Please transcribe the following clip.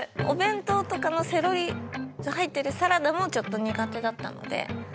お弁当とかのセロリが入ってるサラダもちょっと苦手だったので。